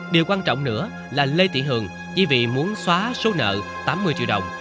điều quan trọng nữa là lê thị hường chỉ vì muốn xóa số nợ tám mươi triệu đồng